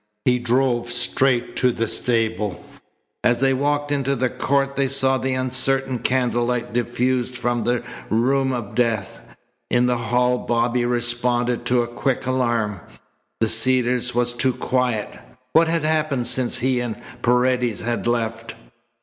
He drove straight to the stable. As they walked into the court they saw the uncertain candlelight diffused from the room of death. In the hall Bobby responded to a quick alarm. The Cedars was too quiet. What had happened since he and Paredes had left?